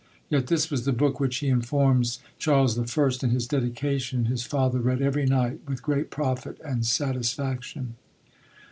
Yet this was the book which, he informs Charles I. in his dedication, his father read every night with great profit and satisfaction.